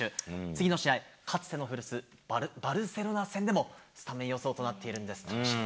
次の試合、かつての古巣、バルセロナ戦でもスタメン予想となっているんです。